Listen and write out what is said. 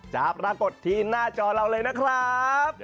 จะปรากฏทีมหน้าจอเราเลยนะครับ